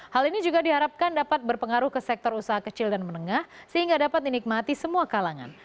hal ini juga diharapkan dapat berpengaruh ke sektor usaha kecil dan menengah sehingga dapat dinikmati semua kalangan